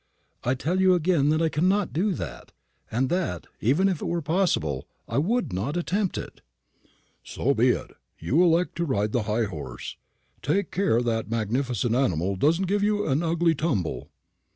"I tell you again that I cannot do that; and that, even if it were possible, I would not attempt it." "So be it. You elect to ride the high horse; take care that magnificent animal doesn't give you an ugly tumble."